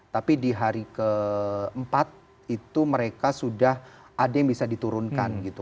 tapi di hari keempat itu mereka sudah ada yang bisa diturunkan gitu